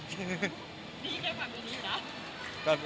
นี่แค่ฟังปีนี้จ๊ะ